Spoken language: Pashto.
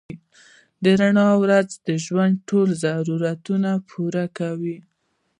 په رڼا ورځ د ژوند ټول ضرورتونه پوره کول